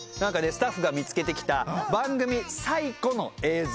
スタッフが見つけてきた番組最古の映像もある。